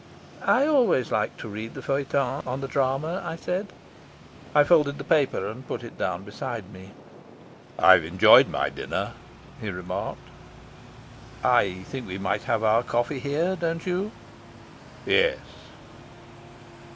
"I always like to read the on the drama," I said. I folded the paper and put it down beside me. "I've enjoyed my dinner," he remarked. "I think we might have our coffee here, don't you?" "Yes."